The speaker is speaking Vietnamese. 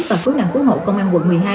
và cứu nạn cứu hộ công an quận một mươi hai